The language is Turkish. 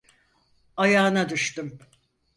Ayağına düştüm: